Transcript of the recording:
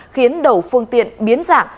khiến đầu phương tiện biến giảm